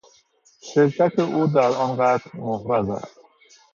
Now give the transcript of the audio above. شرکت او در آن قتل محرز است.